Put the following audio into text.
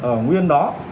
ở nguyên đó